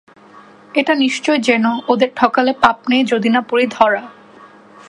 এটা নিশ্চয় জেনো, ওদের ঠকালে পাপ নেই যদি না পড়ি ধরা।